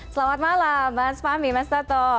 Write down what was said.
selamat malam mas fahmi mas toto